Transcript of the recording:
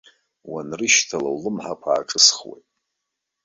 Уанрышьҭала, улымҳақәа ааҿысхуеит.